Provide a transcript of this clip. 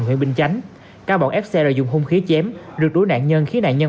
nguyễn binh chánh các bọn ép xe rồi dùng hung khí chém rượt đuối nạn nhân khiến nạn nhân